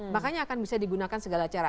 makanya akan bisa digunakan segala cara